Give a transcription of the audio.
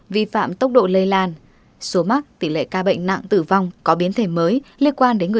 vi phạm tốc độ lây lan số mắc tỷ lệ ca bệnh nặng tử vong